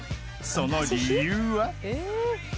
［その理由は］